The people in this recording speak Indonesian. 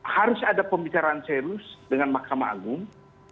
harus ada pembicaraan serius dengan mahkamah agung